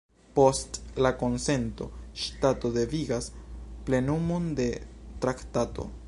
Post la konsento, ŝtato devigas plenumon de traktato.